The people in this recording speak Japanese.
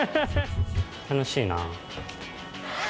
楽しいな。